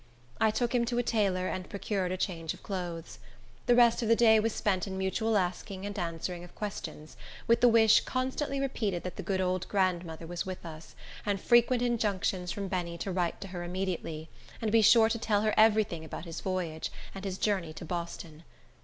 I took him to a tailor, and procured a change of clothes. The rest of the day was spent in mutual asking and answering of questions, with the wish constantly repeated that the good old grandmother was with us, and frequent injunctions from Benny to write to her immediately, and be sure to tell her every thing about his voyage, and his journey to Boston.